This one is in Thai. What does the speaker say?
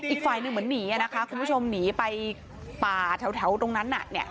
อีกฝ่ายหนึ่งเหมือนหนีนะคะคุณผู้ชมหนีไปป่าแถวตรงนั้นน่ะ